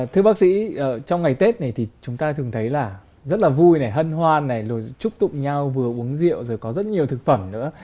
thưa bác sĩ trong ngày tết này thì chúng ta thường thấy là rất là vui này hân hoan này rồi chúc tụng nhau vừa uống rượu rồi có rất nhiều thực phẩm nữa